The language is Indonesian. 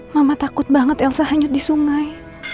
mama takut banget elsa hanyut di sungai